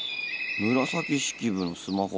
「紫式部のスマホ」